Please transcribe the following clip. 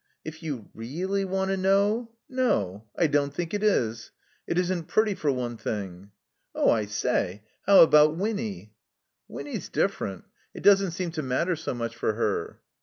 "If you reelly want to know — ^no. I don't think it is. It isn't pretty, for one thing." "Oh, I say — ^how about Winny?" "Winny's different. It doesn't seem to matter so much for her."